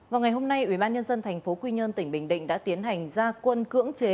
vào ngày hôm nay ubnd tp quy nhơn tỉnh bình định đã tiến hành gia quân cưỡng chế